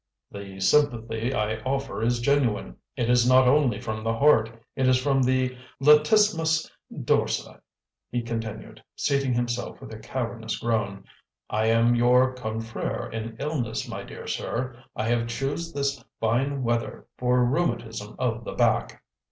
"The sympathy I offer is genuine: it is not only from the heart, it is from the latissimus dorsi" he continued, seating himself with a cavernous groan. "I am your confrere in illness, my dear sir. I have choosed this fine weather for rheumatism of the back."